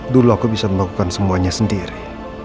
dulu aku bisa melakukan semuanya sendiri